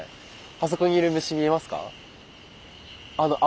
あそこにいる虫見えますか？